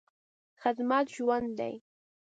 خدمت ژوند دی.